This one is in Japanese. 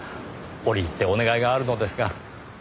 折り入ってお願いがあるのですが。